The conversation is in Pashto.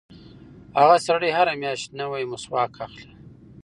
هغه سړی هره میاشت نوی مسواک اخلي.